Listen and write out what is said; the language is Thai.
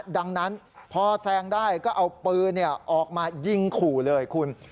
ดังนั้นพอแซงได้ก็เอาปืนออกมายิงขู่เลยคุณ